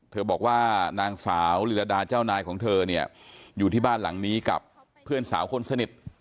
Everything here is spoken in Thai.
บอกว่านางสาวลีลาดาเจ้านายของเธอเนี่ยอยู่ที่บ้านหลังนี้กับเพื่อนสาวคนสนิท